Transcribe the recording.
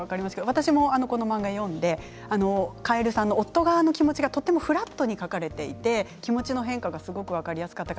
私も、この漫画を読んでカエルさんの夫側の気持ちがとてもフラットに描かれていてすごく気持ちが分かりました。